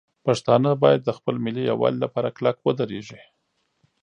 پښتانه باید د خپل ملي یووالي لپاره کلک ودرېږي.